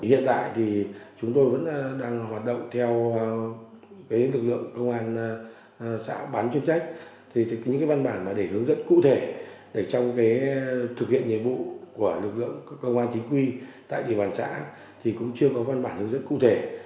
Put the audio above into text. hiện tại thì chúng tôi vẫn đang hoạt động theo lực lượng công an xã bán chuyên trách thì những văn bản để hướng dẫn cụ thể trong thực hiện nhiệm vụ của lực lượng công an chính quy tại địa bàn xã thì cũng chưa có văn bản hướng dẫn cụ thể